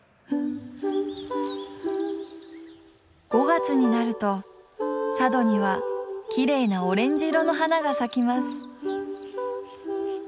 ５月になると佐渡にはきれいなオレンジ色の花が咲きます。